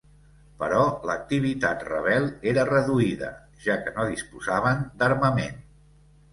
Però l'activitat rebel era reduïda, ja que no disposaven d'armament.